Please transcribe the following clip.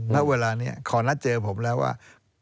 ณเวลานี้ขอนัดเจอผมแล้วว่า